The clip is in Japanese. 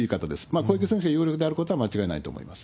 小池選手が有力であることは間違いないと思います。